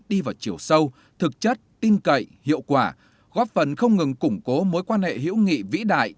đi vào chiều sâu thực chất tin cậy hiệu quả góp phần không ngừng củng cố mối quan hệ hữu nghị vĩ đại